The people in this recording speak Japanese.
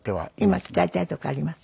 今鍛えたい所あります？